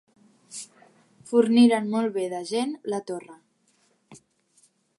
Forniren molt bé de gent la torre.